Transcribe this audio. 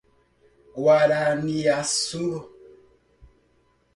Guaraniaçu